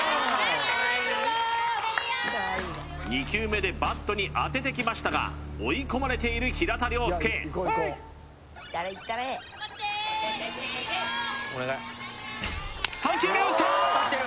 ２球目でバットに当ててきましたが追い込まれている平田良介プレイ・頑張って３球目打った！